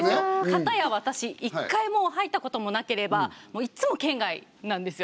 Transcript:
かたや私一回も入ったこともなければもういつも圏外なんですよ。